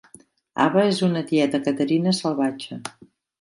Ava és una Tieta Caterina salvatge.